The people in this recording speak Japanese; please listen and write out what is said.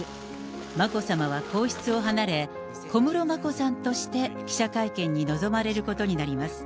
眞子さまは皇室を離れ、小室眞子さんとして記者会見に臨まれることになります。